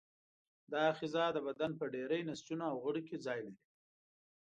دا آخذه د بدن په ډېری نسجونو او غړو کې ځای لري.